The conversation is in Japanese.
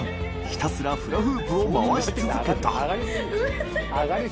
ひたすらフラフープを回し続けた紊蠅垢犬磴覆い）